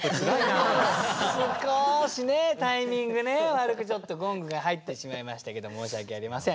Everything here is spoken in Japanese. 悪くちょっとゴングが入ってしまいましたけど申し訳ありません。